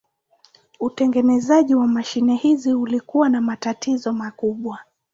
Utengenezaji wa mashine hizi ulikuwa na matatizo makubwa.